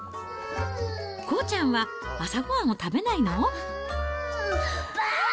こうちゃんは朝ごはんを食べないの？